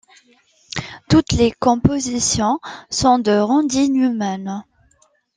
Toutes les compositions sont de Randy Newman.